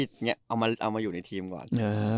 เอามาอยู่ในทีมก่อน